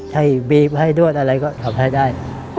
ให้บีบให้นวดอะไรก็ทำให้ได้